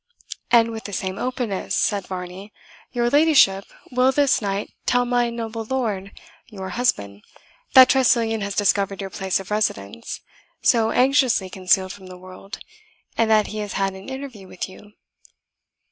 "And with the same openness," said Varney, "your ladyship will this night tell my noble lord your husband that Tressilian has discovered your place of residence, so anxiously concealed from the world, and that he has had an interview with you?"